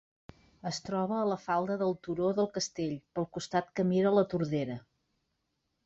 Es troba a la falda del turó del castell, pel costat que mira la Tordera.